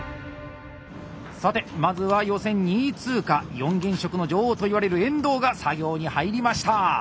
さてまずは予選２位通過四原色の女王といわれる遠藤が作業に入りました。